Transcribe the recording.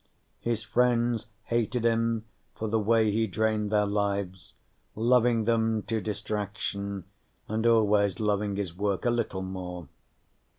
His friends hated him for the way he drained their lives, loving them to distraction and always loving his work a little more.